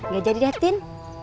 ya jadi datin